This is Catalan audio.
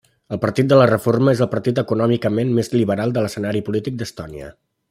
El Partit de la Reforma és el partit econòmicament més liberal de l'escenari polític d'Estònia.